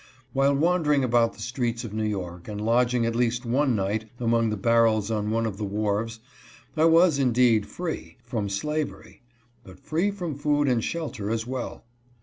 While wandering about the streets of MARRIED TO THE GIRL HE LOVED. 253 New York, and lodging at least one night among the barrels on one of the wharves, I was indeed free — from slavery, but free from food and shelter as well.